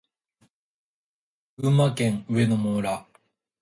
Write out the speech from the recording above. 群馬県上野村